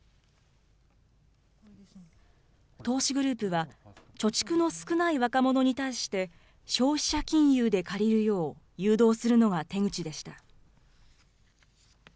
投資グループは、貯蓄の少ない若者に対して、消費者金融で借りるよう誘導するのが手口でした。